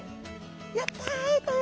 やった会えたよ！